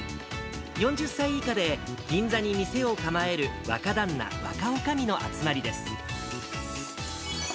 ４０歳以下で銀座に店を構える若旦那、若おかみの集まりです。